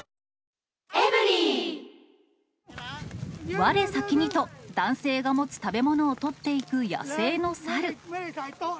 われ先にと、男性が持つ食べ物を取っていく野生の猿。